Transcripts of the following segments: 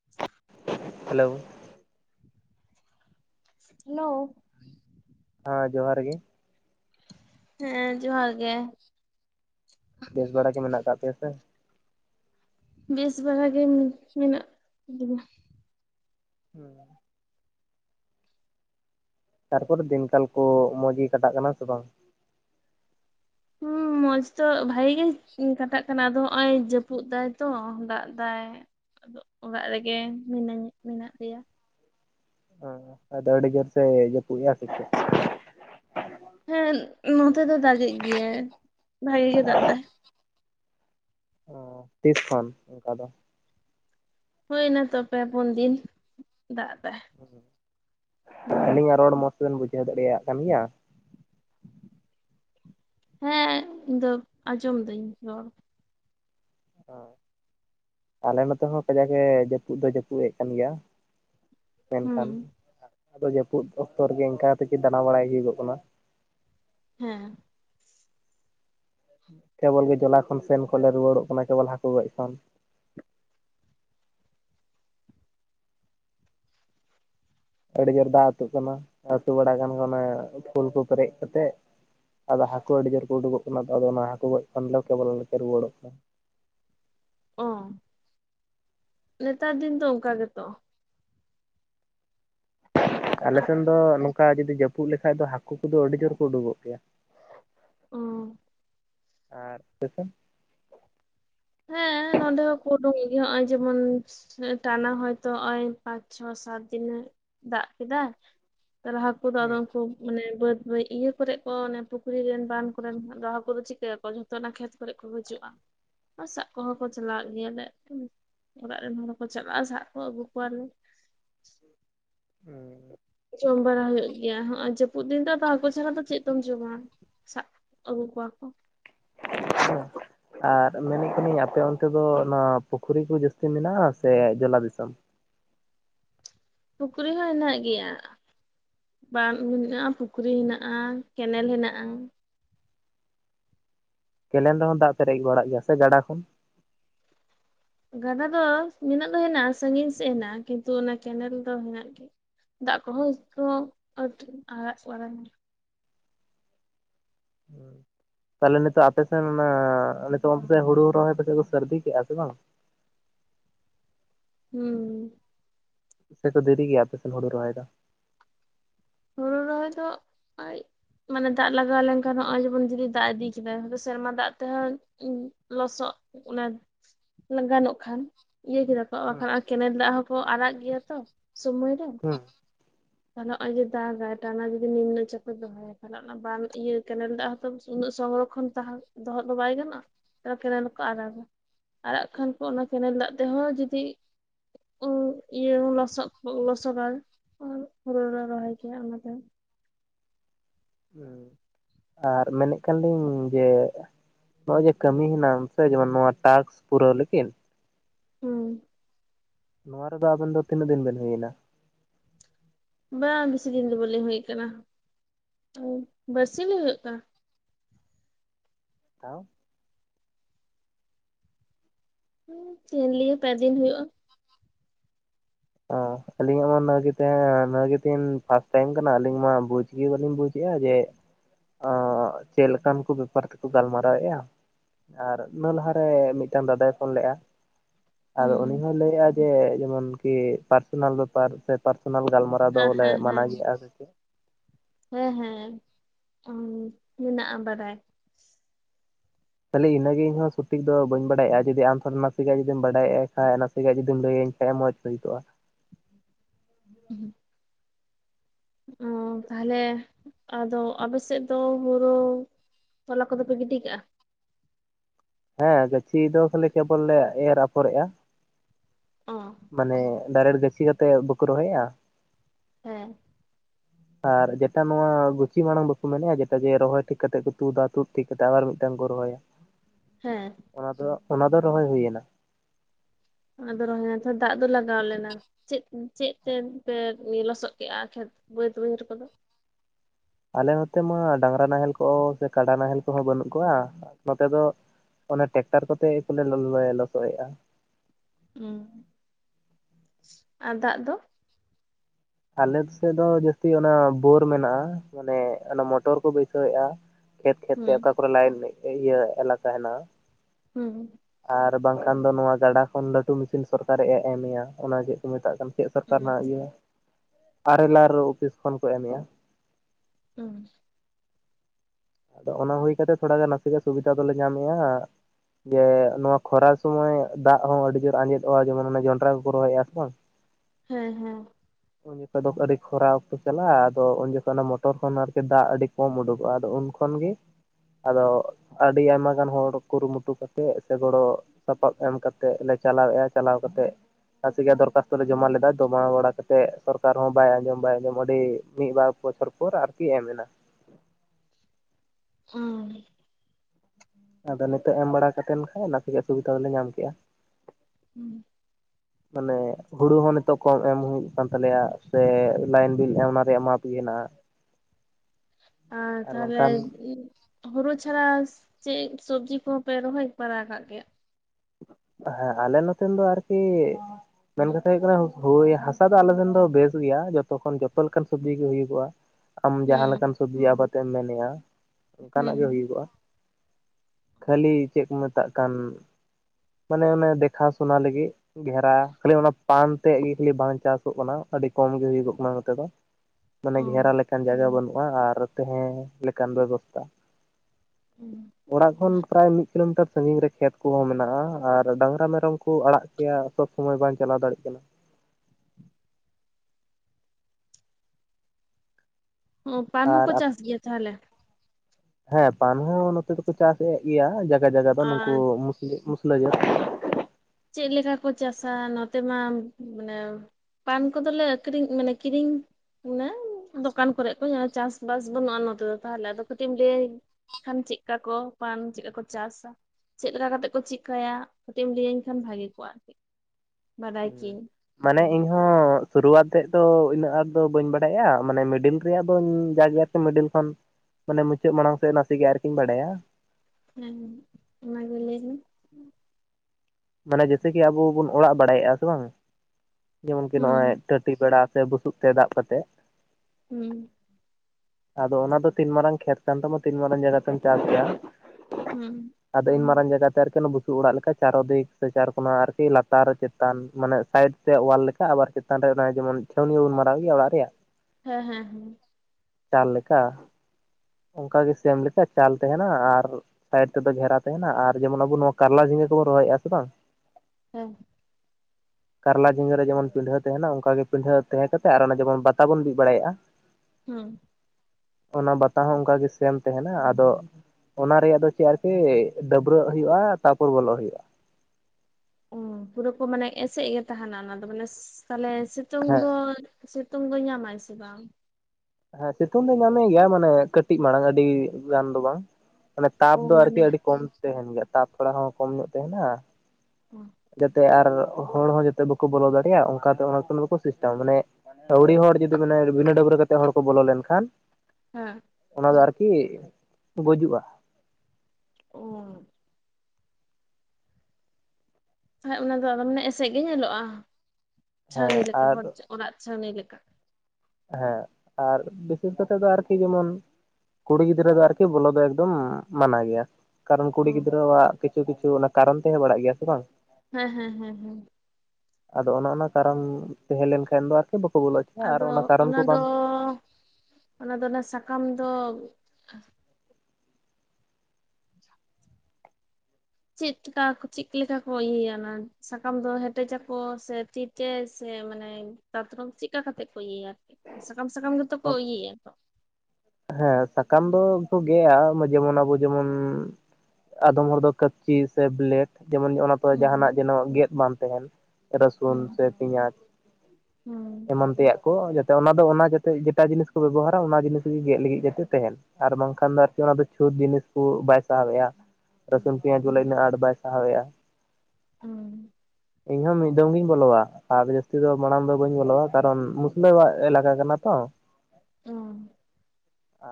[inaudible] Hello [inaudible] hello ᱦᱮᱸ ᱡᱚᱦᱟᱨ ᱜᱮ, ᱦᱮᱸ ᱡᱚᱦᱟᱨ ᱜᱮ ᱾ ᱵᱮᱥ ᱵᱟᱲᱟ ᱜᱮ ᱢᱮᱱᱟᱜ ᱠᱟᱜ ᱯᱮᱭᱟ ᱥᱮ? ᱵᱮᱥ ᱵᱟᱲᱟ ᱜᱮ ᱢᱮᱸ ᱢᱮᱱᱟᱜ ᱫᱚᱵᱚ ᱦᱮᱸ ᱾ ᱛᱟᱨᱯᱚᱨ ᱫᱤᱱᱠᱟᱞ ᱠᱚ ᱢᱚᱸᱡᱽ ᱜᱮ ᱠᱟᱴᱟᱜ ᱠᱟᱱᱟ ᱥᱮ ᱵᱟᱝ? ᱦᱩᱸᱦᱩᱜ- ᱢᱚᱸᱡᱽ ᱛᱚ ᱵᱷᱟᱹᱜᱤ ᱜᱮ ᱠᱟᱴᱟᱜ ᱠᱟᱱᱟ ᱟᱫᱚ ᱦᱚᱸᱜᱼᱚᱭ ᱡᱟᱹᱯᱩᱫ ᱮᱫᱟᱭ ᱛᱚ ᱫᱟᱜ ᱫᱟᱭ ᱟᱫᱚᱜ ᱚᱲᱟᱜ ᱨᱮᱜᱮ ᱢᱤᱱᱟᱹᱧᱟ, ᱢᱮᱱᱟᱜ ᱞᱮᱭᱟ᱾ ᱦᱚᱭ! ᱟᱫᱚ ᱟᱹᱰᱤ ᱡᱩᱨ ᱥᱮ ᱡᱟᱹᱯᱩᱫ ᱮᱫᱟ ᱥᱮ ᱪᱮᱫ? ᱦᱮᱸᱻᱮᱫ ᱱᱚᱛᱮ ᱫᱚᱭ ᱫᱟᱜᱮᱜ ᱜᱮᱭᱟᱭ, ᱵᱷᱟᱜᱤ ᱜᱮ ᱫᱟᱜ ᱮᱫᱟᱭ᱾ ᱚᱻᱦ ᱛᱤᱥ ᱠᱷᱚᱱ ᱚᱸᱠᱟ ᱫᱚ? ᱦᱩᱭᱮᱱᱟ ᱛᱚ ᱯᱮ ᱯᱩᱱ ᱫᱤᱱ ᱫᱟᱜ ᱠᱟ, ᱦᱩᱸ ᱟᱹᱞᱤᱧᱟᱜ ᱨᱚᱲ ᱢᱚᱸᱡᱽ ᱛᱮᱵᱤᱱ ᱵᱩᱡᱷᱟᱹᱣ ᱫᱟᱲᱮᱭᱟᱜ ᱠᱟᱱ ᱜᱮᱭᱟ? ᱦᱮᱸᱜ ᱤᱧ ᱫᱚ ᱟᱸᱡᱚᱢ ᱤᱫᱟᱹᱧ ᱨᱚᱲ᱾ ᱦᱚᱭ ᱟᱞᱮ ᱱᱚᱛᱮ ᱦᱚᱸ ᱠᱟᱡᱟᱠ ᱮ ᱡᱟᱹᱯᱩᱫ ᱫᱚᱭ ᱡᱟᱹᱯᱩᱫᱮᱜ ᱠᱟᱱ ᱜᱮᱭᱟ᱾ ᱦᱩᱸ ᱢᱮᱱᱠᱷᱟᱱ [unintelligible] ᱟᱫᱚ ᱡᱟᱹᱯᱩᱫ ᱚᱠᱛᱚ ᱨᱮᱜᱮ ᱮᱸᱠᱟ ᱟᱛᱮ ᱜᱮ ᱫᱟᱸᱬᱟ ᱵᱟᱲᱟᱭ ᱦᱩᱭᱩᱜᱚᱜ ᱠᱟᱱᱟ᱾ ᱦᱮᱸ᱾ ᱠᱮᱵᱚᱞ ᱜᱮ ᱡᱟᱞᱟ ᱠᱷᱚᱱ, ᱥᱮᱱ ᱠᱷᱚᱱ ᱞᱮ ᱨᱩᱭᱟᱹᱲᱚᱜ ᱠᱟᱱᱟ ᱠᱮᱣᱚᱞ ᱦᱟᱹᱠᱩ ᱜᱚᱡ ᱠᱷᱚᱱ, ᱟᱹᱰᱤ ᱡᱳᱨ ᱫᱟᱜ ᱟᱹᱛᱩᱜ ᱠᱟᱱᱟ, ᱟᱹᱛᱩ ᱜᱟᱲᱟ ᱜᱟᱱ ᱜᱟᱱᱟ ᱯᱷᱩᱞ ᱠᱚ ᱯᱮᱨᱮᱡ ᱠᱟᱛᱮᱜ ᱟᱫᱚ ᱦᱟᱠᱩ ᱟᱹᱰᱤ ᱡᱳᱨ ᱠᱚ ᱩᱰᱩᱠᱚᱜ ᱠᱟᱱᱟ, ᱛᱚ ᱟᱫᱚ ᱚᱱᱟ ᱦᱟᱠᱩ ᱜᱚᱡ ᱠᱷᱚᱱ ᱞᱚ ᱠᱮᱣᱚᱞ ᱠᱚ ᱨᱩᱣᱟᱹᱲᱚᱜ ᱠᱟᱱ᱾ ᱚ ᱱᱮᱛᱟᱨ ᱫᱤᱱ ᱫᱚ ᱚᱸᱠᱟ ᱜᱮᱛᱚ᱾ ᱟᱞᱮ ᱥᱮᱱ ᱫᱚ ᱱᱚᱝᱠᱟ ᱡᱩᱫᱤ ᱡᱟᱹᱯᱩᱫ ᱞᱮᱠᱷᱟᱡ ᱫᱚ ᱦᱟᱠᱩ ᱠᱚᱫᱚ ᱟᱹᱰᱤ ᱡᱳᱨ ᱠᱩ ᱩᱰᱩᱠᱚᱜ ᱜᱮᱭᱟ᱾ ᱚᱦ! ᱟᱨ ᱟᱯᱮᱥᱮᱱ? ᱦᱮᱸ ᱱᱚᱰᱮ ᱦᱚᱸᱠᱚ ᱩᱸᱰᱳᱝᱚᱜ ᱜᱮᱭᱟ, ᱟᱸ ᱡᱮᱢᱚᱱ ᱱᱮᱜ ᱮ ᱴᱟᱱᱚ ᱦᱚᱭᱛᱚ ᱦᱚᱸᱜ-ᱚᱭ ᱯᱟᱸᱪ ᱪᱷᱚ ᱥᱟᱛ ᱫᱤᱱᱮ ᱫᱟᱜ ᱠᱮᱫᱟ᱾ ᱛᱟᱦᱚᱞᱮ ᱦᱚᱲ ᱛᱤᱱᱟᱹᱜ ᱦᱩᱸ ᱨᱚᱝ ᱠᱩᱵ- ᱢᱟᱱᱮ ᱵᱟᱹᱫ ᱨᱮ ᱤᱭᱟᱹ ᱠᱚᱨᱮᱜ ᱠᱚ ᱚᱱᱮ ᱯᱩᱠᱷᱨᱤ ᱨᱤᱱ ᱵᱟᱱ ᱠᱚᱨᱮᱱ ᱫᱚᱦᱚ ᱠᱚᱫᱚ ᱪᱤᱠᱟᱹ ᱟᱠᱚ ᱡᱷᱚ- ᱫᱚ ᱚᱱᱟ ᱠᱷᱮᱛ ᱠᱚᱨᱮᱜ ᱠᱚ ᱜᱩᱡᱩᱜᱼᱟ᱾ ᱟ ᱥᱟᱵ ᱠᱚᱦᱚᱸ ᱠᱚ ᱪᱟᱞᱟᱜ ᱜᱮᱭᱟ ᱞᱮᱜᱠᱤᱱ ᱚᱲᱟᱜ ᱨᱤᱱ ᱦᱚᱲ ᱠᱚ ᱪᱟᱞᱟᱜᱼᱟ ᱥᱟᱵ ᱠᱚ ᱟᱹᱜᱩ ᱠᱚᱣᱟᱞᱮ᱾ ᱦᱩᱸ ᱦᱩᱸ ᱾ ᱡᱚᱢ ᱵᱟᱲᱟ ᱦᱳᱭᱳᱜ ᱜᱮᱭᱟ ᱦᱚᱸᱜᱼᱚᱭ ᱡᱮᱵ ᱢᱤᱫ ᱫᱤᱱ ᱫᱚ ᱯᱟᱠ ᱯᱟᱹᱪᱷᱞᱟ ᱫᱚ ᱪᱮᱫ ᱛᱮᱢ ᱡᱚᱢᱟ, ᱥᱟᱜ ᱟᱹᱜᱩ ᱠᱚᱣᱟᱠᱚ᱾ [inaudible] ᱟᱨ ᱢᱮᱱᱮᱫ ᱠᱟᱹᱱᱟᱧ ᱟᱯᱮ ᱚᱸᱛᱮ ᱫᱚ ᱱᱚᱣᱟ ᱯᱩᱠᱷᱩᱨᱤ ᱠᱚ ᱡᱟᱹᱥᱛᱤ ᱢᱮᱱᱟᱜᱼᱟ, ᱥᱮ ᱡᱚᱞᱟ ᱫᱤᱥᱚᱢ? ᱯᱩᱠᱷᱨᱤ ᱦᱚᱸ ᱦᱮᱱᱟᱜ ᱜᱮᱭᱟ᱾ ᱵᱟᱸᱫ ᱢᱮᱱᱟᱜᱼᱟ, ᱯᱩᱠᱷᱨᱤ ᱦᱮᱱᱟᱜᱼᱟ, ᱠᱮᱱᱮᱞ ᱦᱮᱱᱟᱜᱼᱟ, ᱠᱮᱱᱮᱞ ᱨᱮᱦᱚᱸ ᱫᱟᱜ ᱯᱮᱨᱮᱡ ᱵᱟᱲᱟᱜ ᱜᱮᱭᱟ ᱥᱮ ᱜᱟᱰᱟ ᱠᱷᱚᱱ? ᱜᱟᱰᱟ ᱫᱚᱥ ᱢᱮᱱᱟᱜ ᱫᱚ ᱦᱮᱱᱟᱜᱼᱟ, ᱥᱟᱺᱜᱤᱧ ᱥᱮᱫ ᱦᱮᱱᱟᱜᱼᱟ, ᱠᱤᱸᱛᱩ ᱚᱱᱟ ᱠᱮᱱᱮᱞ ᱫᱚ ᱦᱮᱱᱟᱜ ᱜᱮ ᱾ ᱫᱟᱜ ᱠᱚᱦᱚᱸ [inaudible] [inaudible] ᱟᱨᱟᱜ ᱠᱚ ᱟᱨᱟᱝ [inaudible] ᱛᱟᱦᱚᱞᱮ ᱱᱤᱛᱚᱜ ᱟᱯᱮᱥᱮᱱ ᱚᱱᱟ ᱱᱤᱛᱚᱜ ᱢᱟ ᱯᱟᱥᱮ ᱦᱩᱲᱩ ᱨᱚᱦᱚᱭ ᱯᱟᱥᱮ ᱥᱟᱹᱨᱫᱤ ᱠᱮᱜᱼᱟ ᱥᱮ ᱵᱟᱝ? ᱦᱩᱸᱻ᱾ ᱥᱮᱠᱚ ᱫᱮᱨᱤ ᱜᱮᱭᱟ ᱟᱯᱮᱥᱮᱱ ᱦᱩᱲᱩ ᱨᱚᱦᱚᱭ ᱫᱚ? ᱦᱩᱲᱩ ᱨᱚᱦᱚᱭ ᱫᱚᱜ ᱟᱡ ᱢᱟᱱᱮ ᱫᱟᱜ ᱞᱟᱜᱟᱣ ᱞᱮᱱᱠᱷᱟᱱ ᱱᱚᱜᱼᱚᱭ ᱡᱮᱢᱚᱱ ᱡᱩᱨᱤ ᱫᱟᱜ ᱤᱫᱤ ᱠᱮᱫᱟᱭ ᱱᱚᱛᱮ ᱥᱮᱨᱢᱟ ᱫᱟᱜ ᱛᱮᱦᱚᱸᱭ ᱤᱧ ᱞᱚᱥᱚᱜ ᱚᱱᱟ [unintelligible] ᱜᱟᱱᱚᱜ ᱠᱷᱟᱱ, ᱤᱭᱟᱹ ᱠᱮᱫᱟᱠ ᱚᱜᱼᱠᱚ ᱣᱟᱠᱷᱟᱱ, ᱟᱨ ᱠᱮᱱᱮᱞ ᱫᱟᱜ ᱦᱚᱸᱠᱚ ᱟᱨᱟᱜᱽ ᱜᱮᱭᱟ ᱛᱚ, ᱥᱳᱢᱚᱭ ᱨᱮ᱾ ᱦᱩᱸ ᱛᱟᱦᱚᱞᱮ ᱱᱚᱜᱼᱚᱸᱭ ᱡᱮ ᱫᱟᱜᱽ ᱟᱭ ᱴᱟᱱᱟ ᱡᱩᱫᱤ ᱱᱤᱢᱱᱚ ᱪᱷᱚᱠᱚ ᱫᱚᱦᱚᱭᱟ ᱮᱠᱷᱟᱱ ᱚᱱᱟ ᱵᱟᱱᱫᱷ ᱤᱭᱟᱹ ᱠᱮᱱᱮᱞ ᱫᱟᱜ ᱦᱚᱸᱛᱚ ᱩᱱᱟᱹᱜ ᱥᱚᱝᱨᱚᱠᱠᱷᱚᱱ ᱛᱟᱸᱦᱮ ᱫᱚᱦᱚᱜ ᱫᱚ ᱵᱟᱭ ᱜᱟᱱᱚᱜᱼᱟ, ᱛᱚ ᱠᱮᱱᱮᱞ ᱫᱟᱜ ᱠᱚ ᱟᱨᱟᱜᱟ ᱟᱨᱟᱜ ᱠᱷᱟᱱ ᱠᱚ ᱚᱱᱟ ᱠᱮᱱᱮᱞ ᱫᱟᱜ ᱛᱮᱦᱚᱸ ᱡᱩᱫᱤ ᱤᱭᱟᱹ ᱞᱚᱥᱚᱫ ᱞᱚᱥᱚᱫᱟ ᱩᱱ ᱦᱩᱲᱩ ᱞᱮ ᱨᱚᱦᱚᱭ ᱜᱮᱭᱟ ᱚᱱᱟ ᱛᱟᱭᱚᱢ ᱩᱸ ᱟᱨ ᱢᱮᱱᱮᱫ ᱠᱟᱱ ᱞᱤᱧ ᱡᱮ ᱱᱚᱜ-ᱚᱭ ᱡᱮ ᱠᱟᱹᱢᱤ ᱦᱮᱱᱟᱢ ᱥᱮ ᱡᱮᱢᱚᱱ ᱱᱚᱣᱟ ᱴᱟᱥᱠ ᱯᱩᱨᱟᱹᱣ ᱞᱟᱹᱜᱤᱫ ᱦᱩᱸ ᱱᱚᱣᱟ ᱨᱮᱫᱚ ᱟᱵᱮᱱ ᱫᱚ ᱛᱤᱱᱟᱹᱜ ᱫᱤᱱ ᱵᱮᱱ ᱦᱩᱭᱮᱱᱟ? ᱵᱟᱝ ᱵᱤᱥᱤ ᱫᱤᱱ ᱫᱚ ᱵᱚᱞᱤᱧ ᱦᱩᱭ ᱠᱟᱱᱟ ᱵᱟᱨᱥᱤᱧ ᱞᱤᱧ ᱦᱩᱭᱩᱜ ᱠᱟᱱᱟ ᱛᱟᱣ ᱦᱩ ᱛᱮᱦᱮᱱ ᱞᱤᱭᱟᱹ ᱯᱮ ᱫᱤᱱ ᱦᱩᱭᱳᱜᱼᱟ ᱚ ᱟᱹᱞᱤᱧᱟᱜ ᱦᱚᱸ ᱱᱚᱣᱟ ᱜᱮ ᱛᱮᱦᱮᱱ ᱱᱚᱣᱟ ᱜᱮ ᱛᱮᱦᱮᱧ ᱯᱷᱟᱥᱴ ᱴᱟᱭᱤᱢ ᱠᱟᱱᱟ ᱟᱹᱞᱤᱧ ᱢᱟ ᱵᱩᱡ ᱵᱩᱡᱽ ᱜᱮ ᱵᱟᱹᱞᱤᱧ ᱵᱩᱡᱽᱮᱫᱼᱟ ᱡᱮ ᱪᱮᱫ ᱞᱮᱠᱟᱱ ᱠᱚ ᱵᱮᱯᱟᱨ ᱛᱮᱠᱚ ᱜᱟᱞᱢᱟᱨᱟᱣᱮᱫᱼᱟ ᱟᱨ ᱤᱱᱟᱹ ᱞᱟᱦᱟᱨᱮ ᱢᱤᱫᱴᱟᱝ ᱫᱟᱫᱟᱭ ᱯᱷᱳᱱ ᱞᱮᱫᱼᱟ ᱟᱫᱚ ᱩᱱᱤ ᱦᱩᱸ ᱦᱚᱸᱭ ᱞᱟᱹᱭᱮᱫᱼᱟ ᱡᱮ ᱡᱮᱢᱚᱱᱠᱤ ᱯᱟᱨᱥᱚᱱᱟᱞ ᱵᱮᱯᱟᱨ ᱥᱮ ᱯᱟᱨᱥᱚᱱᱟᱞ ᱜᱟᱞᱢᱟᱨᱟᱣ ᱠᱟ ᱦᱮᱸ ᱫᱚᱞᱮ ᱦᱮᱸ ᱦᱮᱸ ᱢᱟᱱᱟᱮᱫᱼᱟ ᱥᱮ ᱪᱮᱫ ᱦᱮᱸ ᱦᱮᱸ ᱢᱮᱱᱟᱜᱼᱟ ᱵᱟᱲᱟᱭ ᱠᱷᱟᱹᱞᱤ ᱤᱱᱟᱜᱮ ᱤᱧ ᱦᱚᱸ ᱥᱚᱴᱷᱤᱠ ᱫᱚ ᱵᱟᱹᱧ ᱵᱟᱰᱟᱭᱮᱜᱼᱟ ᱡᱩᱫᱤ ᱟᱢ ᱠᱷᱚᱱ ᱱᱟᱥᱮᱱᱟᱜ ᱡᱩᱫᱤᱢ ᱵᱟᱰᱟᱭᱮᱜ ᱠᱷᱟᱡ ᱱᱟᱥᱮᱱᱟᱜ ᱡᱩᱫᱤᱢ ᱞᱟᱹᱭ ᱟᱸᱧ ᱡᱟᱷᱡ ᱦᱩᱭ ᱠᱚᱜ-ᱟ, [inaudible] ᱚ ᱛᱟᱦᱚᱞᱮ ᱟᱫᱚ ᱟᱯᱮᱥᱮᱫ ᱫᱚ ᱦᱩᱲᱩ ᱛᱚᱞᱟ ᱠᱚᱫᱚ ᱯᱮ ᱜᱤᱰᱤ ᱠᱟᱜ-ᱟ, ᱦᱮᱸ ᱜᱟᱹᱪᱷᱤ ᱫᱚ ᱠᱷᱟᱞᱮ ᱠᱮᱵᱚᱞ ᱞᱮ ᱮᱨ ᱟᱯᱷᱚᱨᱮᱜᱼᱟ, ᱚᱸ ᱢᱟᱱᱮ ᱰᱟᱭᱨᱮᱠᱴ ᱜᱟᱪᱷᱤ ᱠᱟᱛᱮᱫ ᱵᱟᱠᱚ ᱨᱚᱦᱚᱭᱟ, ᱦᱮᱸ ᱟᱨ ᱡᱮᱴᱟ ᱱᱚᱣᱟ ᱜᱩᱪᱷᱤ ᱢᱟᱲᱟᱝ ᱵᱟᱠᱚ ᱢᱮᱱᱮᱫᱼᱟ ᱡᱮᱴᱟ ᱡᱮ ᱨᱚᱦᱚᱭ ᱴᱷᱤᱠ ᱠᱟᱛᱮᱫ ᱠᱚ ᱛᱩᱫᱟ ᱛᱩᱫ, ᱴᱷᱤᱠ ᱠᱟᱛᱮ ᱟᱨ ᱢᱤᱫᱴᱟᱝ ᱠᱚ ᱨᱚᱦᱚᱭᱟ, ᱦᱮᱸ ᱚᱱᱟ ᱫᱚ ᱚᱱᱟ ᱫᱚ ᱨᱚᱦᱚᱭ ᱦᱩᱭᱮᱱᱟ, ᱟᱫᱚ ᱨᱚᱦᱚᱭ ᱟᱪᱪᱷᱟ ᱫᱟᱜ ᱫᱚ ᱞᱟᱜᱟᱣ ᱞᱮᱱᱟ, ᱪᱮᱫ ᱪᱮᱫ ᱛᱮᱯᱮ ᱞᱚᱥᱚᱫ ᱠᱮᱫᱼᱟ ᱠᱷᱮᱛ ᱵᱟᱹᱫᱽ ᱵᱟᱹᱭᱦᱟᱹᱲ ᱠᱚᱫᱚ, ᱟᱞᱮ ᱱᱚᱛᱮ ᱢᱟ ᱰᱟᱝᱨᱟ ᱱᱟᱦᱮᱞ ᱠᱚ ᱥᱮ ᱠᱟᱰᱟ ᱱᱟᱦᱮᱞ ᱠᱚᱦᱚᱸ ᱵᱟᱹᱱᱩᱜ ᱠᱚᱣᱟ ᱱᱚᱛᱮ ᱫᱚ, ᱚᱱᱟ ᱴᱮᱠᱴᱟᱨ ᱠᱚᱛᱮ ᱠᱚᱞᱮᱚᱞ ᱞᱚᱥᱚᱫᱮᱫᱼᱟ, ᱩᱸ ᱟᱨ ᱫᱟᱜ ᱫᱚ, ᱟᱞᱮ ᱥᱮᱫ ᱫᱚ ᱡᱟᱹᱥᱛᱤ ᱚᱱᱟ ᱵᱳᱨ ᱢᱮᱱᱟᱜᱼᱟ ᱢᱟᱱᱮ ᱚᱱᱟ ᱢᱚᱴᱚᱨ ᱠᱚ ᱵᱟᱹᱭᱥᱟᱹᱣᱮᱫᱼᱟ ᱠᱷᱮᱛ ᱠᱷᱮᱛ ᱛᱮ ᱦᱩᱸ ᱚᱠᱟ ᱠᱚᱨᱮ ᱞᱟᱭᱤᱱ ᱤᱭᱟᱹ ᱮᱞᱟᱠᱟ ᱦᱮᱱᱟᱜᱼᱟ ᱦᱩᱸ ᱟᱨ ᱵᱟᱝᱠᱷᱟᱱ ᱫᱚ ᱱᱚᱣᱟ ᱜᱟᱰᱟ ᱠᱷᱚᱱ ᱞᱟᱹᱴᱩ ᱢᱮᱥᱤᱱ ᱥᱚᱨᱠᱟᱨᱮ ᱮ ᱮᱢᱮᱭᱟ ᱚᱱᱟ ᱪᱮᱫ ᱠᱚ ᱢᱮᱛᱟᱜ ᱠᱟᱱᱟ ᱪᱮᱫ ᱥᱚᱨᱠᱟᱨ ᱨᱮᱱᱟᱜ ᱤᱭᱟᱹ ᱟᱨᱮᱞ ᱟᱨ ᱚᱯᱷᱤᱥ ᱠᱷᱚᱱ ᱠᱚ ᱮᱢᱮᱫᱼᱟ ᱦᱩᱸ ᱟᱫᱚ ᱚᱱᱟ ᱦᱩᱭ ᱠᱟᱛᱮ ᱛᱷᱚᱲᱟᱟᱜᱟᱱ ᱱᱟᱥᱮᱭᱟᱜ ᱥᱩᱵᱤᱫᱷᱟ ᱫᱚᱞᱮ ᱧᱟᱢᱮᱭᱼᱟ ᱡᱮ ᱱᱚᱣᱟ ᱠᱷᱚᱨᱟ ᱥᱚᱢᱚᱭ ᱫᱟᱜ ᱦᱚᱸ ᱟᱹᱰᱤ ᱡᱳᱨ ᱟᱸᱡᱮᱫᱚᱜᱼᱟ ᱡᱮᱢᱚᱱ ᱚᱱᱟ ᱡᱚᱱᱰᱨᱟ ᱠᱚᱠᱚ ᱨᱚᱦᱚᱭᱮᱫᱭᱼᱟ ᱛᱚ, ᱦᱮᱸ ᱦᱮᱸ ᱩᱱ ᱡᱚᱠᱷᱚᱱ ᱫᱚ ᱟᱹᱰᱤ ᱠᱷᱚᱨᱟ ᱠᱚ ᱪᱟᱞᱟᱜᱼᱟ ᱟᱫᱚ ᱩᱱ ᱡᱚᱠᱷᱚᱱ ᱚᱱᱟ ᱢᱚᱴᱚᱨ ᱠᱷᱚᱱ ᱟᱨᱠᱤ ᱫᱟᱜ ᱟᱹᱰᱤ ᱠᱚᱢ ᱩᱰᱩᱠᱚᱜᱼᱟ ᱟᱫᱚ ᱩᱱ ᱠᱷᱚᱱᱚᱱ ᱜᱮ ᱟᱫᱚ ᱟᱹᱰᱤ ᱟᱭᱢᱟ ᱜᱟᱱ ᱦᱚᱲ ᱠᱩᱨᱩᱢᱩᱴᱩ ᱠᱟᱛᱮᱫ ᱥᱮ ᱜᱚᱲᱚ ᱥᱟᱯᱟᱵ ᱮᱢ ᱠᱟᱛᱮᱫ ᱞᱮ ᱪᱟᱞᱟᱣᱮᱫᱼᱟ ᱪᱟᱞᱟᱣ ᱠᱟᱛᱮᱫ ᱟᱛᱮ ᱜᱮ ᱫᱚᱨᱠᱷᱟᱥᱛᱚ ᱞᱮ ᱡᱚᱢᱟ ᱞᱮᱫᱟ ᱡᱚᱢᱟ ᱵᱟᱲᱟᱛᱮᱫ, ᱛᱮᱜ ᱥᱚᱨᱠᱟᱨ ᱦᱚᱸ ᱵᱟᱭ ᱟᱸᱡᱚᱢ ᱵᱟᱭ ᱟᱸᱡᱚᱢ ᱟᱹᱰᱤ ᱢᱤᱫ ᱵᱟᱨ ᱵᱚᱪᱷᱚᱨ ᱯᱚᱨ ᱟᱨᱠᱤ ᱮᱢ ᱮᱱᱟ ᱩᱸ ᱟᱫᱚ ᱱᱤᱛᱚᱜ ᱮᱢ ᱵᱟᱲᱟ ᱠᱟᱛᱮᱫ ᱠᱷᱟ ᱚᱱᱟ ᱛᱮᱜᱮ ᱥᱩᱵᱤᱫᱷᱟ ᱫᱚᱞᱮ ᱧᱟᱢ ᱠᱮᱜᱼᱟ, ᱦᱮᱸ ᱢᱟᱱᱮ ᱦᱩᱲᱩ ᱦᱚᱸ ᱱᱤᱛᱚᱜ ᱠᱚᱢ ᱮᱢ ᱦᱩᱭᱩᱜ ᱠᱟᱱ ᱛᱟᱞᱮᱭᱟ ᱥᱮ ᱞᱟᱭᱤᱱ ᱵᱤᱞ ᱮᱢ ᱚᱱᱟ ᱨᱮᱭᱟᱜ ᱢᱟᱯ ᱜᱮ ᱦᱮᱱᱟᱜᱼᱟ᱾ ᱟᱨ ᱛᱟᱦᱚᱞᱮ ᱦᱩᱲᱩ ᱪᱷᱟᱲᱟ ᱪᱮᱫ ᱥᱚᱵᱽᱡᱤ ᱠᱚᱦᱚᱸᱯᱮ ᱨᱚᱦᱚᱭ ᱵᱟᱲᱟ ᱟᱠᱟᱫ ᱜᱮᱭᱟ᱾ ᱦᱮᱸ ᱟᱞᱮ ᱱᱚᱛᱮᱱ ᱫᱚ ᱟᱨᱠᱤ᱾ ᱢᱮᱱ ᱠᱟᱛᱷᱟ ᱦᱩᱭᱩᱜ ᱠᱟᱱᱟ ᱦᱳᱭ ᱦᱟᱥᱟ ᱫᱚ ᱟᱞᱮᱥᱮᱱ ᱫᱚ ᱵᱮᱥ ᱜᱮᱭᱟ ᱡᱚᱛᱚ ᱠᱷᱚᱱ ᱡᱚᱛᱚ ᱞᱮᱠᱟᱱ ᱥᱚᱵᱽᱡᱤ ᱜᱮ ᱦᱩᱭᱩᱜᱚᱜᱼᱟ᱾ ᱟᱢ ᱡᱟᱦᱟᱸ ᱞᱮᱠᱟᱱ ᱦᱩᱸ ᱥᱚᱵᱽᱡᱤ ᱟᱵᱟᱛᱮᱢ ᱢᱮᱱᱮᱜᱼᱟ ᱚᱱᱠᱟᱱᱟᱜ ᱜᱮ ᱦᱩᱸ ᱦᱩᱭᱩᱜᱚᱜᱼᱟ᱾ ᱠᱷᱟᱹᱞᱤ ᱪᱮᱫ ᱠᱚ ᱢᱮᱛᱟᱜ ᱠᱟᱱ ᱢᱟᱱᱮ ᱚᱱᱮ ᱫᱮᱠᱷᱟ ᱥᱩᱱᱟ ᱞᱟᱹᱜᱤᱫ ᱜᱷᱮᱨᱟ ᱠᱷᱟᱹᱞᱤ ᱚᱱᱟ ᱯᱟᱱ ᱛᱮᱜ ᱜᱮ ᱠᱷᱟᱹᱞᱤ ᱵᱟᱝ ᱪᱟᱥᱚᱜ ᱠᱟᱱᱟ ᱟᱹᱰᱤ ᱠᱚᱢ ᱜᱮ ᱦᱩᱭᱩᱜᱚᱜ ᱠᱟᱱᱟ ᱱᱚᱛᱮ ᱫᱚ᱾ ᱢᱟᱱᱮ ᱚ ᱜᱷᱮᱨᱟ ᱞᱮᱠᱟᱱ ᱡᱟᱭᱜᱟ ᱵᱟᱹᱱᱩᱜᱼᱟ ᱟᱨ ᱛᱟᱦᱮᱸ ᱞᱮᱠᱟᱱ ᱵᱮᱵᱚᱥᱛᱷᱟ᱾ ᱦᱮᱸ ᱚᱲᱟᱜ ᱠᱷᱚᱱ ᱯᱨᱟᱭ ᱢᱤᱫ ᱠᱤᱞᱳᱢᱤᱴᱟᱨ ᱥᱟᱺᱜᱤᱧ ᱨᱮ ᱠᱷᱮᱛ ᱠᱚᱦᱚᱸ ᱢᱮᱱᱟᱜᱼᱟ᱾ ᱟᱨ ᱰᱟᱝᱨᱟ ᱢᱮᱨᱚᱢ ᱠᱚ ᱟᱲᱟᱜ ᱠᱮᱭᱟ ᱥᱚᱵᱽ ᱥᱚᱢᱚᱭ ᱵᱟᱝ ᱪᱟᱞᱟᱣ ᱫᱟᱲᱮᱭᱟᱜ ᱠᱟᱱᱟ᱾ ᱯᱟᱱ ᱟᱨ ᱦᱚᱸᱠᱚ ᱪᱟᱥ ᱜᱮᱭᱟ ᱛᱟᱦᱚᱞᱮ᱾ ᱦᱮᱸ ᱯᱟᱱ ᱦᱚᱸ ᱱᱚᱛᱮ ᱫᱚᱠᱚ ᱪᱟᱥᱮᱫ ᱜᱮᱭᱟ ᱡᱟᱭᱜᱟ ᱡᱟᱭᱜᱟ ᱫᱚ ᱱᱩᱠᱩ ᱟᱨ ᱢᱩᱥᱞᱟᱹ ᱢᱩᱥᱞᱟᱹ ᱜᱮᱼᱼ ᱪᱮᱫ ᱞᱮᱠᱟ ᱠᱚ ᱪᱟᱥᱟ ᱱᱚᱛᱮ ᱢᱟ ᱢᱟᱱᱮᱼᱼ ᱯᱟᱱ ᱠᱚᱫᱚᱞᱮ ᱟᱠᱷᱨᱤᱧ ᱢᱟᱱᱮ ᱠᱤᱨᱤᱧ ᱚᱱᱮ ᱫᱚᱠᱟᱱ ᱠᱚᱨᱮ ᱠᱚ ᱪᱟᱥ ᱵᱟᱥ ᱵᱟᱹᱱᱩᱜᱼᱟ ᱱᱚᱛᱮ ᱫᱚ ᱛᱟᱦᱚᱞᱮ ᱟᱫᱚ ᱠᱟᱹᱴᱤᱡ ᱮᱢ ᱞᱟ. ᱭᱤᱧ ᱠᱷᱟᱱ ᱪᱮᱫᱠᱟ ᱠᱚ ᱯᱟᱱ ᱪᱮᱫᱠᱟ ᱠᱚ ᱪᱟᱥᱼᱟ ᱪᱮᱫ ᱞᱮᱠᱟ ᱠᱟᱛᱮᱜ ᱠᱚ ᱪᱤᱠᱟᱭᱟ ᱠᱟᱹᱴᱤᱡ ᱮᱢ ᱞᱟᱹᱭᱟᱹᱧ ᱾ ᱮᱠᱷᱟᱱ ᱵᱷᱟᱜᱤ ᱠᱚᱜ-ᱟ ᱟᱨ ᱪᱮᱫ ᱦᱩᱸ ᱢᱟᱱᱮ ᱤᱧᱦᱚᱸ ᱥᱩᱨᱩᱣᱟᱛ ᱛᱮᱫ ᱫᱚ ᱤᱱᱟᱹᱜ ᱟᱸᱴ ᱫᱚ ᱵᱟᱹᱧ ᱵᱟᱲᱟᱭᱮᱼᱟ ᱢᱟᱱᱮ ᱢᱤᱰᱤᱞ ᱨᱮᱭᱟᱜ ᱫᱚᱧ ᱡᱟᱜᱮ ᱢᱤᱰᱤᱞ ᱠᱷᱚᱱ ᱢᱟᱱᱮ ᱢᱩᱪᱟᱹᱫ ᱢᱟᱲᱟᱝ ᱥᱮᱫ ᱱᱟᱥᱮ ᱜᱮ ᱟᱨᱠᱤᱧ ᱵᱟᱰᱟᱭᱟ ᱾ ᱦᱮ ᱢᱟᱞᱟᱭ ᱢᱮ ᱢᱟᱱᱮ ᱡᱮᱭᱥᱮ ᱠᱤ ᱟᱵᱚ ᱵᱚᱱ ᱚᱲᱟᱜ ᱵᱟᱲᱟᱭᱮᱫᱼᱟ ᱥᱮ ᱵᱟᱝ ᱡᱮᱢᱚᱱ ᱠᱤ ᱱᱚᱜᱼᱭᱚ ᱦᱩᱸ ᱴᱟᱹᱴᱤ ᱵᱮᱲᱟ ᱥᱮ ᱵᱩᱥᱩᱵ ᱛᱮ ᱫᱟᱵ ᱠᱟᱛᱮ ᱦᱩᱸ ᱟᱫᱚ ᱚᱱᱟ ᱫᱚ ᱛᱤᱱ ᱢᱟᱨᱟᱝ ᱠᱷᱮᱛ ᱠᱟᱱ ᱛᱟᱢᱟ ᱛᱤᱱ ᱢᱟᱨᱟᱝ ᱡᱟᱭᱜᱟ ᱛᱮᱢ ᱪᱟᱥ ᱜᱮᱭ? ᱦᱩᱸ ᱟᱫᱚ ᱤᱱ ᱢᱟᱨᱟᱝ ᱡᱟᱭᱜᱟ ᱛᱮ ᱟᱨᱠᱤ ᱟᱱᱟ ᱵᱩᱥᱩᱵ ᱚᱲᱟᱜ ᱞᱮᱠᱟ ᱪᱟᱨᱚᱫᱤᱠ ᱥᱮ ᱪᱟᱨ ᱠᱚᱱᱟ ᱟᱨᱠᱤ ᱞᱟᱛᱟᱨ ᱪᱮᱛᱟᱱ ᱢᱟᱱᱮ ᱥᱟᱭᱤᱰ ᱥᱮ ᱚᱣᱟᱞ ᱞᱮᱠᱟ ᱟᱵᱟᱨ ᱪᱮᱛᱟᱱ ᱨᱮ ᱡᱮᱢᱚᱱ ᱪᱷᱟᱹᱣᱱᱤ ᱦᱚᱸᱵᱚᱱ ᱢᱟᱨᱟᱣ ᱜᱮᱭᱟ ᱚᱲᱟᱜ ᱨᱮᱭᱟᱜ ᱾ ᱦᱮᱸ ᱦᱮᱸ ᱦᱮᱸ ᱪᱟᱞ ᱞᱮᱠᱟ ᱚᱱᱠᱟ ᱜᱮ ᱥᱮᱢ ᱞᱮᱠᱟ ᱪᱟᱞ ᱛᱟᱦᱮᱱᱟ ᱟᱨ ᱥᱟᱭᱤᱰ ᱛᱮᱫᱚ ᱜᱷᱮᱨᱟᱣ ᱛᱟᱦᱮᱱᱟ ᱟᱨ ᱡᱮᱢᱚᱱ ᱟᱵᱚ ᱱᱚᱣᱟ ᱠᱟᱞᱞᱟ ᱡᱷᱤᱸᱜᱟᱹ ᱠᱚᱵᱚᱱ ᱨᱚᱦᱚᱭᱮᱫᱼᱟ ᱥᱮ ᱵᱟᱝ ᱾ ᱦᱮᱸ ᱠᱟᱨᱞᱟ ᱡᱷᱤᱸᱜᱟᱹ ᱨᱮ ᱡᱮᱢᱚᱱ ᱯᱤᱰᱦᱟᱹ ᱛᱟᱦᱮᱱᱟ ᱚᱱᱠᱟ ᱜᱮ ᱯᱤᱰᱦᱟᱹ ᱛᱟᱦᱮᱸ ᱠᱟᱛᱮ ᱟᱨ ᱚᱱᱮ ᱡᱮᱢᱚᱱ ᱵᱟᱛᱟ ᱵᱚᱱ ᱵᱤᱫ ᱵᱟᱲᱟᱭᱮᱫ-ᱟ ᱦᱮᱸ ᱚᱱᱟ ᱵᱟᱛᱟ ᱦᱚᱸ ᱚᱱᱠᱟ ᱜᱮ ᱥᱮᱢ ᱛᱟᱦᱮᱱᱟ ᱟᱫᱚ ᱚᱱᱟ ᱨᱮᱭᱟᱜ ᱫᱚ ᱪᱮᱫ ᱟᱨᱠᱤ ᱰᱟᱹᱵᱽᱨᱟᱹᱜ ᱦᱩᱭᱩᱜ-ᱟ ᱛᱟᱯᱚᱨ ᱵᱚᱞᱚᱜ ᱦᱩᱭᱩᱜ-ᱟ ᱾ ᱚ... ᱯᱩᱨᱟᱹ ᱠᱚ ᱢᱟᱱᱮ ᱮᱥᱮᱫ ᱜᱮ ᱛᱟᱦᱮᱱᱟ ᱚᱱᱟ ᱫᱚ ᱢᱟᱱᱮ ᱥ... ᱛᱟᱦᱚᱞᱮ ᱥᱤᱛᱩᱝ ᱦᱮᱸ ᱫᱚ ᱥᱤᱛᱩᱝ ᱫᱚᱭ ᱧᱟᱢᱟᱭ ᱥᱮ ᱵᱟᱝ? ᱦᱮᱸ ᱥᱤᱛᱩᱝ ᱫᱚ ᱧᱟᱢ ᱮᱫ ᱜᱮᱭᱟ ᱢᱟᱱᱮ ᱠᱟᱹᱴᱤᱡ ᱢᱟᱲᱟᱝ ᱟᱹᱰᱤ ᱜᱟᱱ ᱫᱚ ᱵᱟᱝ ᱢᱟᱱᱮ ᱛᱟᱯ ᱚ ᱫᱚ ᱟᱨᱠᱤ ᱢᱟᱱᱮ ᱟᱹᱰᱤ ᱠᱚᱢ ᱛᱟᱦᱮᱱ ᱜᱮᱭᱟ ᱛᱟᱯ ᱛᱷᱚᱲᱟ ᱦᱚᱸ ᱠᱚᱢ ᱧᱚᱜ ᱛᱟᱦᱮᱱᱟ ᱦᱩᱸ ᱡᱟᱛᱮ ᱟᱨ ᱦᱚᱲ ᱦᱚᱸ ᱡᱟᱛᱮ ᱵᱟᱠᱚ ᱵᱚᱞᱚ ᱫᱟᱲᱮᱭᱟᱜ ᱚᱱᱠᱟᱛᱮ ᱚᱱᱟ ᱫᱚᱠᱚ ᱥᱤᱥᱴᱮᱢ ᱢᱟᱱᱮ ᱾ ᱟᱹᱣᱲᱤ ᱦᱚᱲ ᱡᱩᱫᱤ ᱢᱟᱱᱮ ᱵᱤᱱᱟᱹ ᱰᱟᱹᱵᱨᱟᱹ ᱠᱟᱛᱮᱫ ᱦᱚᱲ ᱠᱚ ᱵᱚᱞᱚ ᱞᱮᱱᱠᱷᱟᱱ ᱦᱮᱸ ᱚᱱᱟ ᱫᱚ ᱟᱨᱠᱤ ᱜᱩᱡᱩᱜᱼᱟ ᱾ ᱦᱩᱸ [unintelligible] ᱦᱮᱸ ᱚᱱᱟ ᱫᱚ ᱟᱫᱚ ᱢᱟᱱᱮ ᱮᱥᱮᱫ ᱜᱮ ᱧᱮᱞᱚᱜᱼᱟ ᱪᱷᱟ. ᱣᱱᱤ ᱞᱮᱠᱟ ᱟᱨ ᱦᱚᱲ ᱚᱲᱟᱜ ᱪᱷᱟ. ᱣᱱᱤ ᱞᱮᱠᱟ᱾ ᱦᱮᱸ ᱟᱨ ᱵᱤᱥᱮᱥ ᱠᱟᱛᱮ ᱫᱚ ᱟᱨᱠᱤ ᱡᱮᱢᱚᱱᱼᱼ ᱠᱩᱲᱤ ᱜᱤᱫᱽᱨᱟᱹ ᱫᱚ ᱟᱨᱠᱤ ᱵᱚᱞᱚ ᱫᱚ ᱮᱠᱫᱚᱢ ᱢᱟᱱᱟ ᱜᱮᱭᱟ᱾ ᱠᱟᱨᱚᱱ ᱚ ᱠᱩᱲᱤ ᱜᱤᱫᱽᱨᱟᱹᱣᱟᱜ ᱠᱤᱪᱷᱩ ᱠᱤᱪᱷᱩ ᱚᱱᱟ ᱠᱟᱨᱚᱱ ᱛᱟᱦᱚᱸ ᱵᱟᱲᱭᱚᱜ ᱜᱮᱭᱟ ᱥᱮ ᱵᱟᱝ ᱦᱮᱸ ᱦᱮᱸ ᱦᱮᱸ ᱦᱮᱸ ᱟᱫᱚ ᱚᱱᱮ ᱚᱱᱟ ᱠᱟᱨᱚᱱ ᱛᱟᱦᱮᱸ ᱞᱮᱱ ᱠᱷᱟᱱ ᱫᱚ ᱟᱨᱠᱤ ᱵᱟᱠᱚ ᱵᱚᱞᱚ ᱦ.... ᱟᱫᱚ ᱚᱱᱟ ᱫᱚ, ᱚᱱᱟ ᱫᱚ ᱚᱱᱟ ᱥᱟᱠᱟᱢ ᱫᱚ ᱮ ᱪᱮᱫ ᱞᱮᱠᱟ, ᱪᱮᱫ ᱞᱮᱠᱟ ᱠᱚ ᱤᱭᱟᱹᱭᱟ ᱚᱱᱟ? ᱥᱟᱠᱟᱢ ᱫᱚ ᱦᱮᱴᱮᱡᱟᱠᱚ ᱥᱮ ᱛᱤ ᱛᱮ ᱥᱮ ᱢᱟᱱᱮ ᱫᱟᱛᱨᱚᱢ, ᱪᱮᱠᱟᱜ ᱠᱟᱛᱮᱜ ᱠᱚ ᱤᱭᱟᱹᱭᱟ? ᱟᱨᱠᱤ ᱥᱟᱠᱟᱢ ᱥᱟᱠᱟᱢ ᱜᱮᱛᱚ ᱠᱚ ᱤᱭᱟᱹᱭᱟ ᱛᱚ ᱾ ᱦᱮᱸ ᱥᱟᱠᱟᱢ ᱫᱚ ᱠᱚ ᱜᱮᱭᱟ ᱡᱮᱢᱚᱱ ᱟᱵᱚ ᱡᱮᱢᱚᱱ ᱟᱫᱚᱢ ᱦᱚᱲ ᱫᱚ ᱠᱟᱹᱯᱪᱤ ᱥᱮ ᱵᱤᱞᱮᱴ ᱡᱮᱢᱚᱱ ᱚᱱᱟᱛᱮ ᱡᱟᱦᱟᱸᱱᱟᱜ ᱦᱩᱸ ᱡᱮᱱᱚ ᱜᱮᱫ ᱵᱟᱝ ᱛᱟᱦᱮᱱ ᱾ ᱨᱟᱹᱥᱩᱱ ᱦᱩᱸ ᱥᱮ ᱯᱮᱭᱟᱡᱽ ᱦᱩᱸ ᱮᱢᱟᱱ ᱛᱮᱭᱟᱜ ᱾ ᱡᱟᱛᱮ ᱚᱱᱟ ᱫᱚ ᱚᱱᱟ ᱡᱟᱛᱮ ᱮᱴᱟ ᱡᱤᱱᱤᱥ ᱠᱚ ᱵᱮᱵᱚᱦᱟᱨᱟ ᱚᱱᱟ ᱡᱤᱱᱤᱥ ᱜᱮᱜ ᱞᱟᱹᱜᱤᱫ ᱜᱮᱛᱚ ᱛᱟᱦᱮᱱ ᱟᱨ ᱵᱟᱝᱠᱷᱟᱱ ᱫᱚ ᱟᱨᱠᱤ ᱚᱱᱟ ᱫᱚ ᱪᱷᱩᱸᱛ ᱡᱤᱱᱤᱥ ᱠᱚ ᱵᱟᱭ ᱥᱟᱦᱟᱣ ᱮᱜᱼᱟ᱾ ᱨᱟᱹᱥᱩᱱ ᱯᱮᱸᱭᱟᱡᱽ ᱵᱚᱞᱮ ᱤᱱᱟᱹᱜ ᱟᱸᱴ ᱵᱟᱭ ᱥᱟᱦᱟᱣᱮᱜᱼᱟ᱾ ᱦᱩᱸ ᱤᱧ ᱦᱚᱸ ᱢᱤᱫ ᱫᱚᱢ ᱜᱤᱧ ᱵᱚᱞᱚᱣᱟ᱾ ᱟᱨ ᱡᱟᱹᱥᱛᱤ ᱫᱚ ᱢᱟᱲᱟᱝ ᱫᱚ ᱵᱟᱹᱧ ᱵᱚᱞᱚᱣᱟ ᱠᱟᱨᱚᱱ ᱢᱩᱥᱞᱟᱹᱣᱟᱜ ᱮᱞᱟᱠᱟ ᱠᱟᱱᱟ ᱛᱚ᱾ ᱚ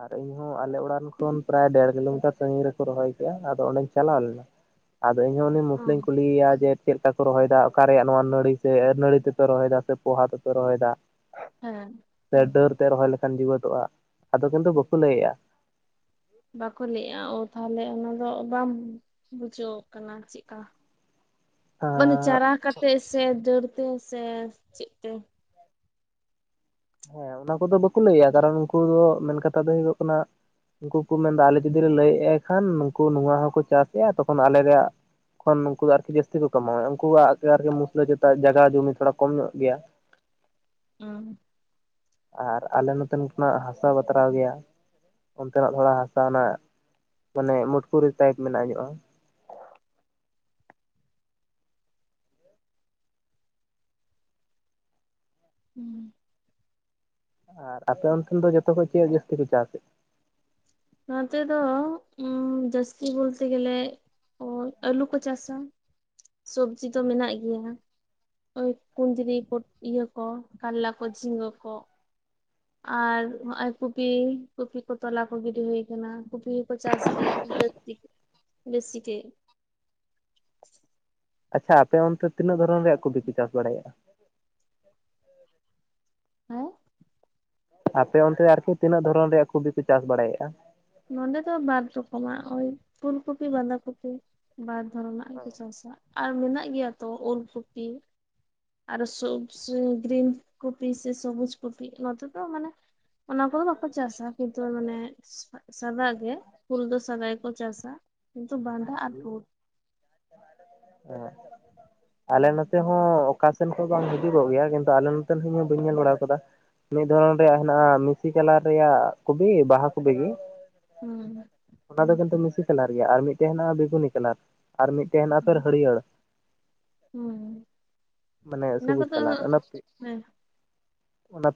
ᱟᱨ ᱤᱧ ᱦᱚᱸ ᱟᱞᱮ ᱚᱲᱟᱜ ᱨᱮᱱ ᱠᱷᱚᱱ ᱯᱨᱟᱭ ᱰᱮᱲ ᱠᱤᱞᱳᱢᱤᱴᱟᱨ ᱥᱟᱺᱜᱤᱧ ᱨᱮᱠᱚ ᱨᱚᱦᱚᱭ ᱠᱮᱜᱼᱟ ᱟᱫᱚ ᱚᱸᱰᱮᱧ ᱪᱟᱞᱟᱣ ᱞᱮᱱᱟ᱾ [inaudible] ᱟᱫᱚ ᱤᱧᱦᱚᱸ ᱩᱱᱤ ᱢᱩᱥᱞᱟᱹᱧ ᱦᱩᱸ ᱠᱩᱞᱤᱭᱮᱭᱟ ᱡᱮ, ᱪᱮᱫ ᱞᱮᱠᱟ ᱠᱚ ᱨᱚᱦᱚᱭᱮᱫᱟ ᱚᱠᱟᱨ ᱨᱮᱭᱟᱜ ᱱᱚᱣᱟ ᱱᱟᱹᱲᱤ ᱥᱮ ᱱᱟᱹᱲᱤ ᱛᱮᱯᱮ ᱨᱚᱦᱚᱭᱫᱟ ᱥᱮ ᱯᱚᱦᱟ ᱛᱮᱯᱮ ᱨᱚᱦᱚᱭᱫᱟ᱾ ᱦᱮᱸ ᱥᱮ ᱰᱟᱹᱨᱛᱮ ᱨᱚᱦᱚᱭ ᱞᱮᱠᱷᱟᱱ ᱡᱤᱣᱭᱮᱫᱚᱜᱼᱟ ᱟᱫᱚ ᱠᱤᱱᱛᱩ ᱵᱟᱠᱚ ᱞᱟᱹᱭᱮᱜᱼᱟ᱾ ᱵᱟᱠᱚ ᱞᱟᱹᱭᱼᱟ ᱚ ᱛᱟᱦᱚᱞᱮ ᱚᱱᱟᱫᱚ ᱵᱟᱢ ᱵᱩᱡᱷᱟᱹᱣ ᱠᱟᱱᱟ ᱪᱮᱜᱠᱟ ᱢᱟᱱᱮ ᱦᱮᱸ ᱪᱟᱨᱟ ᱠᱟᱛᱮ ᱥᱮ ᱰᱟᱹᱲᱛᱮ ᱥᱮ ᱪᱮᱫ ᱛᱮ᱾ ᱦᱮᱸ ᱚᱱᱟ ᱠᱚᱫᱚ ᱵᱟᱠᱚ ᱞᱟᱹᱭᱟ ᱠᱟᱨᱚᱱ ᱩᱱᱠᱩ ᱫᱚ ᱢᱮᱱ ᱠᱟᱛᱷᱟ ᱫᱚ ᱦᱩᱭᱩᱜ ᱠᱟᱱᱟ᱾ ᱩᱱᱠᱩ ᱠᱚ ᱢᱮᱱᱫᱟ ᱟᱞᱮ ᱡᱩᱫᱤ ᱞᱮ ᱞᱟᱹᱭᱮᱜ ᱟᱭ ᱠᱷᱟᱱ ᱱᱩᱠᱩ ᱱᱚᱣᱟ ᱦᱚᱸᱠᱚ ᱪᱟᱥᱮᱜᱼᱟ ᱛᱚᱠᱷᱚᱱ ᱟᱞᱮᱭᱟᱜ ᱛᱚᱠᱷᱚᱱ ᱩᱱᱠᱩ ᱫᱚ ᱟᱨᱠᱤ ᱡᱟᱹᱥᱛᱤ ᱠᱚ ᱠᱟᱢᱟᱣᱮᱫᱼᱟ ᱩᱱᱠᱩᱣᱟᱜ ᱟᱨᱠᱤ ᱢᱩᱥᱞᱟᱹ ᱪᱮᱛᱟᱜ ᱡᱟᱜᱟ ᱡᱚᱢᱤ ᱛᱷᱚᱲᱟ ᱠᱚᱢ ᱧᱚᱜ ᱜᱮᱭᱟ᱾ ᱦᱩᱸ ᱟᱨ ᱟᱞᱮ ᱱᱚᱛᱮᱱ ᱠᱷᱚᱱᱟᱜ ᱦᱟᱥᱟ ᱵᱟᱛᱨᱟᱣ ᱜᱮᱭᱟ᱾ ᱚᱱᱛᱮᱱᱟᱜ ᱛᱷᱚᱲᱟ ᱦᱟᱥᱟᱱᱟᱜ ᱢᱟᱱᱮ ᱢᱚᱴᱠᱩᱨᱤ ᱥᱟᱭᱤᱯ ᱢᱮᱱᱟᱜ ᱧᱚᱜᱼᱟ᱾ ᱦᱩᱸ ᱟᱨ ᱟᱯᱮ ᱚᱱᱛᱮᱱ ᱫᱚ ᱡᱚᱛᱚ ᱠᱷᱚᱡ ᱪᱮᱫ ᱡᱟᱹᱥᱛᱤ ᱯᱮ ᱪᱟᱥᱮᱜᱼᱟ᱾ ᱱᱚᱛᱮ ᱫᱚ ᱡᱟᱹᱥᱛᱤ ᱵᱚᱞᱛᱮ ᱜᱮᱞᱮ ᱚ ᱟᱹᱞᱩ ᱠᱚ ᱪᱟᱥᱟ ᱥᱚᱵᱽᱡᱤ ᱫᱚ ᱢᱮᱱᱟᱜ ᱜᱮᱭᱟ᱾ ᱳᱭ ᱠᱩᱸᱫᱽᱨᱤ ᱠᱚ ᱤᱭᱟᱹ ᱠᱚ ᱠᱟᱨᱞᱟ ᱠᱚ ᱡᱷᱤᱸᱜᱟᱹ ᱠᱚ ᱟᱨ ᱱᱚᱜᱼᱚᱭ ᱠᱩᱯᱤ ᱠᱚᱯᱤ ᱠᱚ ᱛᱚᱞᱟ ᱠᱚ ᱜᱤ᱾ ᱰᱤ ᱦᱩᱭ ᱠᱟᱱᱟ᱾ ᱠᱩᱯᱤ ᱦᱚᱸᱠᱚ ᱪᱟᱥ ᱜᱮᱭᱟ ᱡᱟᱹᱥᱛᱤ ᱵᱮᱥᱤ ᱜᱮ᱾ ᱟᱪᱪᱷᱟ ᱟᱯᱮ ᱚᱱᱛᱮ ᱛᱤᱱᱟᱹᱜ ᱫᱷᱚᱨᱚᱱ ᱨᱮᱭᱟᱜ ᱠᱚᱯᱤᱯᱮ ᱪᱟᱥ ᱵᱟᱲᱟᱭᱮᱜᱼᱟ᱾ ᱦᱮᱸ ᱟᱯᱮ ᱚᱱᱛᱮ ᱟᱨᱠᱤ ᱛᱤᱱᱟᱹᱜ ᱫᱷᱚᱨᱚᱱ ᱨᱮᱭᱟᱜ ᱠᱚᱯᱤ ᱯᱮ ᱪᱟᱥ ᱵᱟᱲᱟᱭᱮᱜᱼᱟ᱾ ᱱᱚᱸᱰᱮ ᱫᱚ ᱵᱟᱨ ᱨᱚᱠᱚᱢᱟᱜ ᱳᱭ ᱯᱷᱩᱞ ᱠᱚᱯᱤ ᱵᱟᱸᱫᱷᱟ ᱠᱚᱯᱤ ᱵᱟᱨ ᱫᱷᱚᱨᱚᱱᱟᱜ ᱜᱮᱠᱚ ᱪᱟᱥᱟ ᱟᱨ ᱢᱮᱱᱟᱜ ᱜᱮᱭᱟ ᱛᱚ ᱳᱞ ᱠᱚᱯᱤ ᱟᱨᱚ ᱥᱚ ᱜᱨᱤᱱ ᱠᱚᱯᱤ ᱥᱮ ᱥᱚᱵᱩᱡ ᱠᱚᱯᱤ ᱱᱚᱛᱮ ᱫᱚ ᱢᱟᱱᱮ ᱚᱱᱟ ᱠᱚᱫᱚ ᱵᱟᱠᱚ ᱪᱟᱥᱟ ᱠᱤᱱᱛᱩ ᱢᱟᱱᱮ ᱥᱟᱫᱟᱜ ᱜᱮ ᱯᱷᱩᱞ ᱥᱟᱫᱟ ᱜᱮ ᱠᱚ ᱪᱟᱥᱟ᱾ ᱠᱤᱱᱛᱩ ᱵᱟᱸᱫᱷᱟ ᱟᱨ ᱩᱞ ᱦᱮᱸ [inaudible] ᱟᱞᱮ ᱱᱚᱛᱮ ᱦᱚᱸ ᱚᱠᱟ ᱥᱮᱱ ᱠᱷᱚᱱ ᱵᱟᱝ ᱦᱤᱡᱩᱜᱚᱜ ᱜᱮᱭᱟ᱾ ᱠᱤᱱᱛᱩ ᱟᱞᱮ ᱱᱚᱛᱮᱱ ᱤᱧ ᱦᱚᱸ ᱵᱟᱹᱧ ᱧᱮᱞ ᱵᱟᱲᱟ ᱟᱠᱟᱫᱟ᱾ ᱢᱤᱫ ᱫᱷᱚᱨᱚᱱ ᱨᱮᱭᱟᱜ ᱦᱮᱱᱟᱜᱼᱟ ᱢᱤᱥᱤ ᱠᱟᱞᱟᱨ ᱨᱮᱭᱟᱜ ᱠᱚᱯᱤ ᱵᱟᱦᱟ ᱠᱚᱯᱤ ᱜᱮ ᱦᱩᱸ ᱚᱱᱟ ᱫᱚ ᱠᱤᱱᱛᱩ ᱢᱤᱥᱤ ᱠᱟᱞᱟᱨ ᱨᱮᱭᱟᱜ ᱟᱨ ᱢᱤᱫᱴᱮᱱ ᱦᱮᱱᱟᱜᱼᱟ ᱵᱮᱜᱩᱱᱤ ᱠᱟᱞᱟᱨ ᱟᱨ ᱢᱤᱫᱴᱮᱱ ᱦᱮᱱᱟᱜᱼᱟ ᱛᱚ ᱦᱟᱹᱲᱭᱟᱹᱲ᱾ ᱦᱮᱸ ᱢᱟᱱᱮ ᱚᱱᱟ ᱥᱚᱵᱩᱡ ᱠᱚᱫᱚ ᱠᱟᱞᱟᱨ ᱚᱱᱟ ᱦᱮᱸ ᱚᱱᱟ